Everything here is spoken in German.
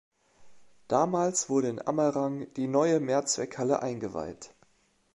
Damals wurde in Amerang die neue Mehrzweckhalle eingeweiht.